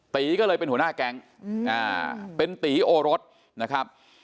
ตีก็เลยเป็นหัวหน้าแก๊งเป็นตีโอรสนะครับ